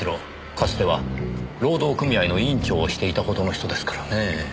かつては労働組合の委員長をしていたほどの人ですからねぇ。